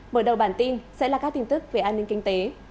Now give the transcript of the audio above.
mở đầu bản tin sẽ là các tin tức về an ninh kinh tế